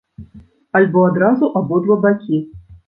Альбо адразу абодва бакі.